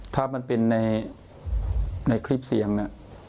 ถ้ามันเป็นในคลิปเสียงน่ะ